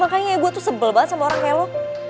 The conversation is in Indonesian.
makanya ya gua tuh sebel banget sama orang kayak lo